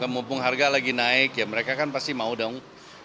mumpung harga lagi naik ya mereka kan pasti mau dong